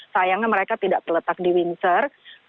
sayangnya mereka tidak terletak di windsor